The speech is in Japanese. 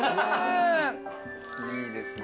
いいですね。